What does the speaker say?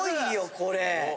これ。